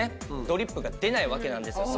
ドリップが出ないわけなんですよ。